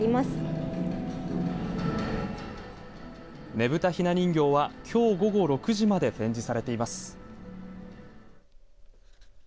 ねぶたひな人形はきょう午後６時まで展示されています。